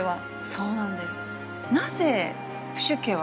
そうなんです。